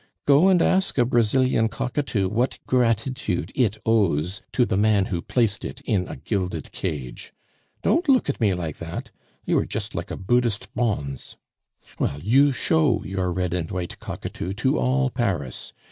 Go and ask a Brazilian cockatoo what gratitude it owes to the man who placed it in a gilded cage. Don't look at me like that; you are just like a Buddist Bonze. "Well, you show your red and white cockatoo to all Paris.